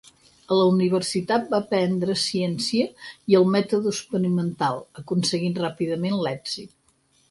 A la universitat va aprendre ciència i el mètode experimental, aconseguint ràpidament l'èxit.